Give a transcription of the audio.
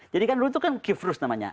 jadi kan dulu itu kan kyiv rus namanya